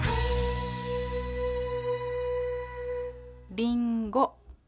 りんご。